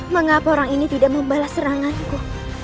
mengapa orang ini tidak membalas seranganku